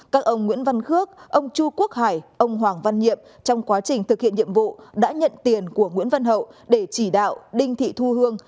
các ông nguyễn văn khước ông chu quốc hải ông hoàng văn nhiệm trong quá trình thực hiện nhiệm vụ đã nhận tiền của nguyễn văn hậu để chỉ đạo đinh thị thu hương